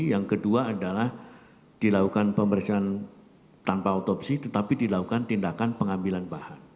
yang kedua adalah dilakukan pemeriksaan tanpa otopsi tetapi dilakukan tindakan pengambilan bahan